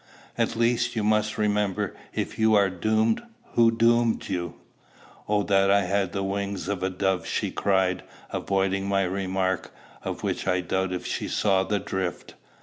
"At least, you must remember, if you are doomed, who dooms you." "'Oh that I had the wings of a dove!'" she cried, avoiding my remark, of which I doubt if she saw the drift.